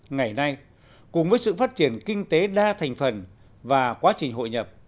ngày nay cùng với sự phát triển kinh tế đa thành phần và quá trình hội nhập